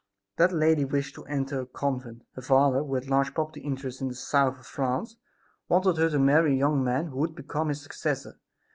That lady wished to enter a convent. Her father, who had large property interests in the South of France, wanted her to marry a young man who would become his successor.